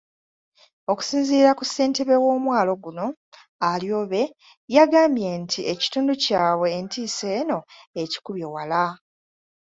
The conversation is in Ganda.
Okusinziira ku ssentebe w'omwalo guno, Alyobe, yagambye nti ekitundu kyabwe entiisa eno ekikubye wala.